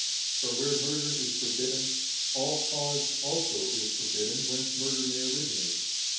For where murder is forbidden, all cause also is forbidden whence murder may originate.